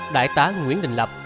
đại tá nguyễn đình lập